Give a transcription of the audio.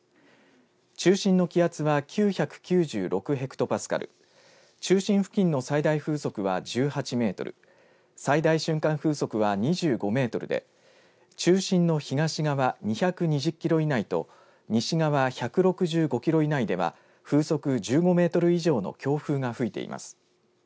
中心の気圧は９９６ヘクトパスカル、中心付近の最大風速は１８メートル、最大瞬間風速は２５メートルで中心の東側２２０キロ以内と西側１６５キロ以内では風速１５メートル以上の強風が吹いています。